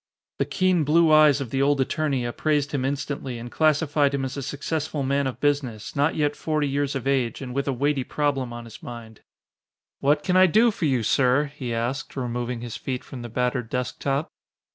The keen blue eyes of the old attorney appraised him instantly and classified him as a successful man of business, not yet forty years of age, and with a weighty problem on his mind. "What can I do for you, sir?" he asked, removing his feet from the battered desk top.